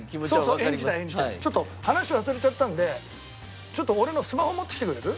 ちょっと話忘れちゃったんでちょっと俺のスマホ持ってきてくれる？